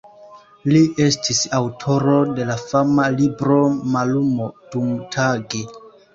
Li estis aŭtoro de la fama libro "Mallumo dumtage".